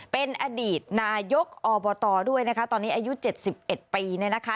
เป็นอดีตนายกอบตด้วยนะคะตอนนี้อายุเจ็ดสิบเอ็ดปีนะคะ